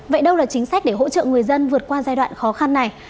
vậy đâu là chính sách để hỗ trợ người dân vượt qua giai đoạn khó khăn này